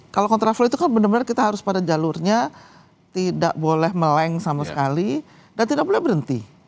kalau kontraflow itu kan benar benar kita harus pada jalurnya tidak boleh meleng sama sekali dan tidak boleh berhenti